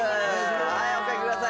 はいおかけください